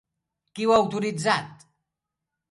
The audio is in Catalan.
Qui ho ha autoritzat?